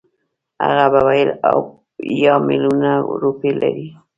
هغه به ویل اویا میلیونه روپۍ لري.